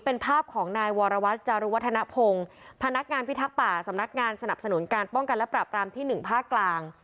เป็นภาพของนายวรวัตรจารุวัฒนภงพนักงานพิทักษ์ป่าสำนักงานสนับสนุนการป้องกันและปรับรามที่๑ภาคกลาง